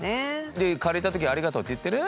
で借りた時ありがとうって言ってる？